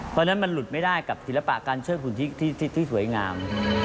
เพราะฉะนั้นมันหลุดไม่ได้กับศิลปะการช่วยคุณทิกที่สวยงาม